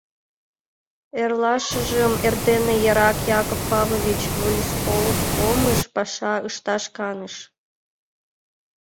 Эрлашыжым эрдене эрак Яков Павлович волисполкомыш паша ышташ каныш.